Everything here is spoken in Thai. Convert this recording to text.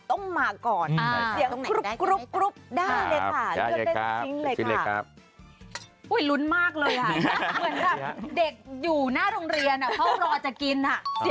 ลุ้นมากเลยแบบเด็กอยู่หน้าโรงเรียนเค้ารอจะกิน